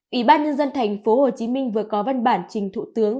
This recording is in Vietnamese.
ủy ban nhân dân thành phố hồ chí minh vừa có văn bản trình thủ tướng